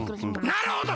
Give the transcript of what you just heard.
なるほど！